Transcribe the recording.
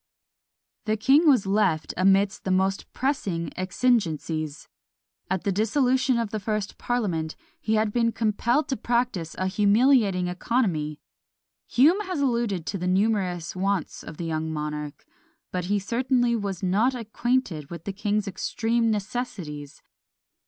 The king was left amidst the most pressing exigencies. At the dissolution of the first parliament he had been compelled to practise a humiliating economy. Hume has alluded to the numerous wants of the young monarch; but he certainly was not acquainted with the king's extreme necessities.